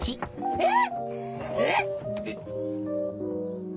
えっ？